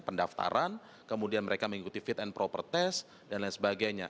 pendaftaran kemudian mereka mengikuti fit and proper test dan lain sebagainya